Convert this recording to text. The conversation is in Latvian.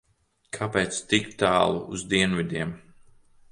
Kāpēc tik tālu uz dienvidiem?